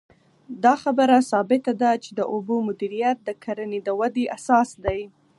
دا خبره ثابته ده چې د اوبو مدیریت د کرنې د ودې اساس دی.